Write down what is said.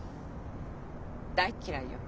大っ嫌いよ。